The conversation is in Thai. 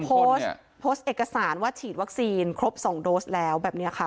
โพสต์โพสต์เอกสารว่าฉีดวัคซีนครบ๒โดสแล้วแบบนี้ค่ะ